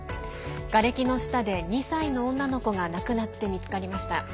がれきの下で２歳の女の子が亡くなって見つかりました。